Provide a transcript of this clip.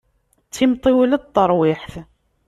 D timṭiwla n terwiḥt.